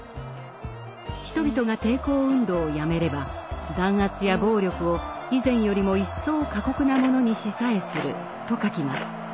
人々が抵抗運動をやめれば「弾圧や暴力を以前よりも一層過酷なものにしさえする」と書きます。